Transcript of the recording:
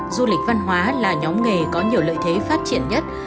du lịch văn hóa là nhóm nghề có nhiều lợi thế phát triển nhất